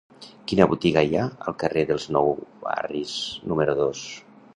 Quina botiga hi ha al carrer dels Nou Barris número dos?